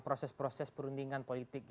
proses proses perundingan politik